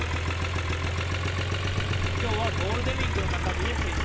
きょうはゴールデンウィークの中日で平日。